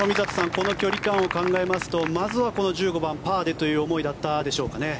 この距離感を考えますとまずはこの１５番パーでという思いだったでしょうかね。